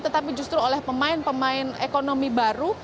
tetapi justru oleh pemain pemain ekonomi baru